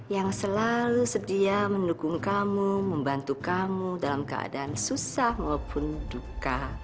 yang selalu sedia mendukung kamu membantu kamu dalam keadaan susah maupun duka